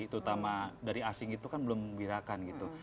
terutama dari asing itu kan belum membirakan gitu